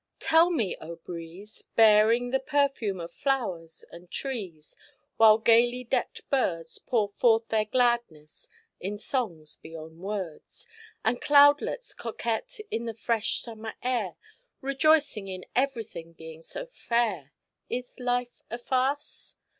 Tell me, O breeze, Bearing the perfume of flowers and trees, While gaily decked birds Pour forth their gladness in songs beyond words, And cloudlets coquette in the fresh summer air Rejoicing in everything being so fair Is life a farce?